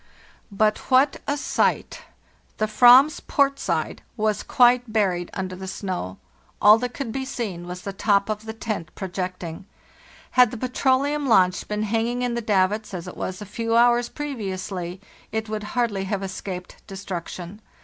"But what a sight! The /vam's port side was quite buried under the snow; all that could be seen was the top of the tent projecting. Had the petroleum launch been hanging in the davits, as it was a few hours pre viously, it would hardly have escaped destruction.